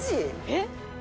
「えっ？」